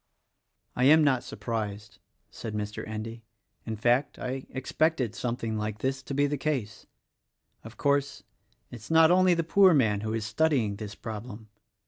"I am not surprised," said Mr. Endy; "in fact, I expected something like this to be the case. Of course, it is not only the poor man who is studying this problem.